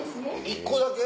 １個だけ？